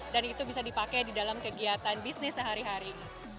dan itu bisa dipakai di dalam kegiatan bisnis sehari hari